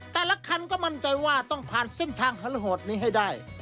แต่ละคันก็มั่นใจว่าต้องผ่านเส้นทางหันโหดนี้ให้ได้